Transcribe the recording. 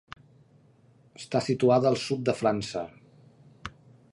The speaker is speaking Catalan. Està situada al sud de França.